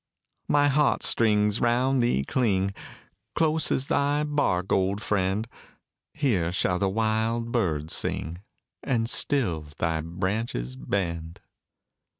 My heart strings round thee cling, Close as thy bark, old friend! Here shall the wild bird sing, And still thy branches bend.